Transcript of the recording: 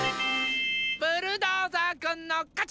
ブルドーザーくんのかち！